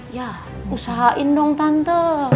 ya usahain dong tante